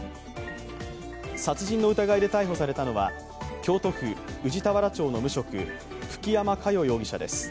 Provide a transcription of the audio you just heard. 殺人の疑いで逮捕されたのは京都府宇治田原町の無職、久木山佳代容疑者です。